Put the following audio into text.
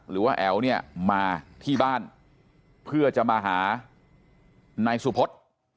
หรือว่าแอ๋วเนี่ยมาที่บ้านเพื่อจะมาหานายสุพธ